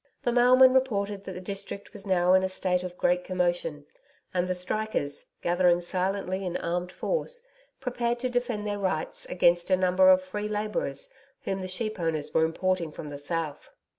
The mailman reported that the district was now in a state of great commotion, and the strikers, gathering silently in armed force, prepared to defend their rights against a number of free labourers whom the sheep owners were importing from the South.